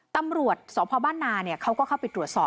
ตำรวจสพบ้านนาเขาก็เข้าไปตรวจสอบ